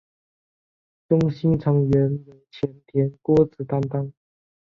中心成员由前田敦子担当。